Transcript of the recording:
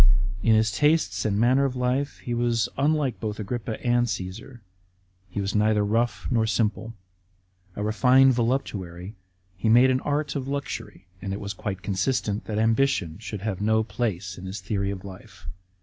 In his tastes and manner of life he was unlike both Agrippa and Cassar. He was neither rough nor simple. A refined voluptuary, he made an art of luxury ; and it was quite consistent that ambition should have no place in his theory of life.